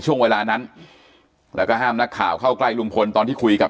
ช่วงเวลานั้นแล้วก็ห้ามนักข่าวเข้าใกล้ลุงพลตอนที่คุยกับ